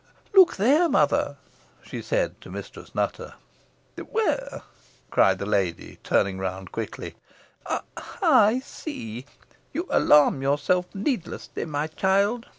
"Look there, mother," she said to Mistress Nutter. "Where?" cried the lady, turning round quickly, "Ah! I see. You alarm yourself needlessly, my child.